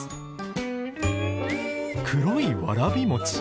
黒いわらび餅。